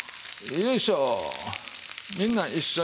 よいしょ！